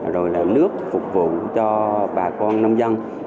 rồi là nước phục vụ cho bà con nông dân